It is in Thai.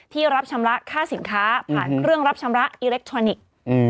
รับชำระค่าสินค้าผ่านเครื่องรับชำระอิเล็กทรอนิกส์